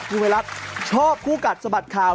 คุณภัยรัฐชอบคู่กัดสะบัดข่าว